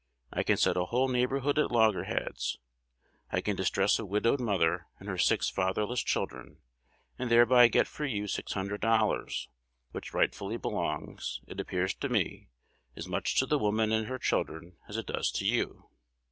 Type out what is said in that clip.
I can set a whole neighborhood at loggerheads; I can distress a widowed mother and her six fatherless children, and thereby get for you six hundred dollars, which rightfully belongs, it appears to me, as much to the woman and her children as it does to you.